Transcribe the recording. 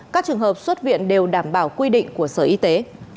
các trường hợp xuất viện đều đảm bảo quy định của sở y tế